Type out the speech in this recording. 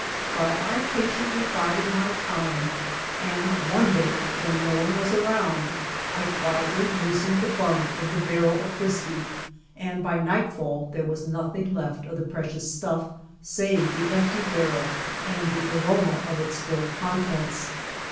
But I patiently bided my time, and one day when no one was around, I quietly loosened the bung of the barrel of whiskey and by nightfall there was nothing left of the precious stuff, save the empty barrel and the aroma of its spilled contents.